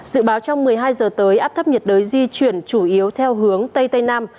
dự báo trong một mươi hai giờ tới áp thấp nhiệt đới di chuyển chủ yếu theo hướng tây tây nam